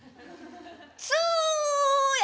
つや。